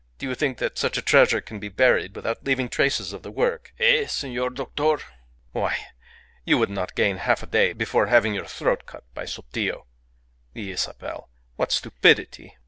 Do you think that such a treasure can be buried without leaving traces of the work eh! senor doctor? Why! you would not gain half a day more before having your throat cut by Sotillo. The Isabel! What stupidity!